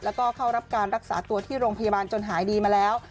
แล้วก็เข้ารับการรักษาตัวที่โรงพยาบาลจนหายดีมาแล้ว